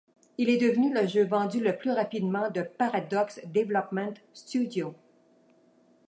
Il est devenu le jeu vendu le plus rapidement de Paradox Development Studio.